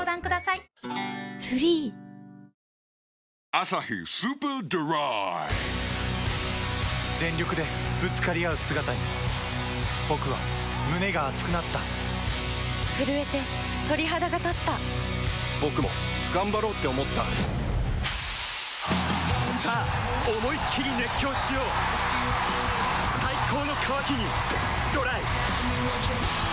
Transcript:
「アサヒスーパードライ」全力でぶつかり合う姿に僕は胸が熱くなった震えて鳥肌がたった僕も頑張ろうって思ったさあ思いっきり熱狂しよう最高の渇きにＤＲＹ